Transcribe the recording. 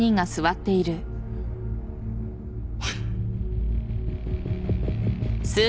はい。